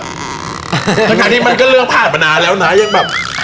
เพราะทางที่มันก็เลือกผ่านก็มานานแล้วนะ